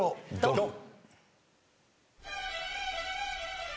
ドン！